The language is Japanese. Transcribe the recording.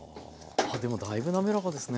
あっでもだいぶ滑らかですね。